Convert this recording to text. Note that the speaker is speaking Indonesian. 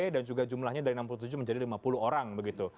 dan juga jumlahnya dari enam puluh tujuh menjadi lima puluh orang